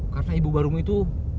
karena ibu barumu itu